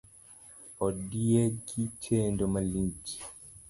Ondiegi chendo malich